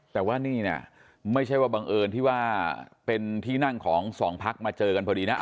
แต่ว่านี่เนี่ยไม่ใช่ว่าบังเอิญที่ว่าเป็นที่นั่งของสองพักมาเจอกันพอดีนะ